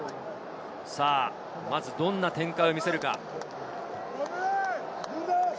どんな展開を見せるか。